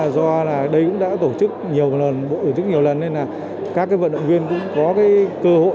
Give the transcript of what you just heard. do là đây cũng đã tổ chức nhiều lần bộ tổ chức nhiều lần nên là các vận động viên cũng có cơ hội